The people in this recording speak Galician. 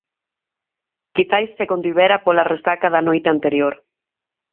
Quizais se contivera pola resaca da noite anterior.